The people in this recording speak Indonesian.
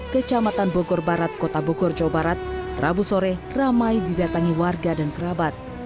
kecamatan bogor barat kota bogor jawa barat rabu sore ramai didatangi warga dan kerabat